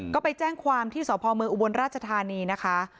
ก็ไปแจ้งความที่สพเมืองอุบลราชธานีนะคะ